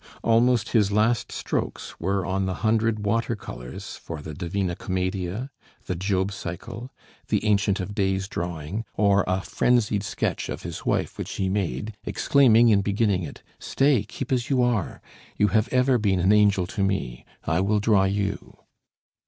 Almost his last strokes were on the hundred water colors for the 'Divina Commedia,' the 'Job' cycle, the 'Ancient of Days' drawing, or a "frenzied sketch" of his wife which he made, exclaiming in beginning it, "Stay! Keep as you are! You have ever been an angel to me. I will draw you."